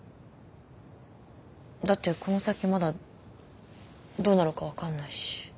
だってこの先まだどうなるかわかんないし。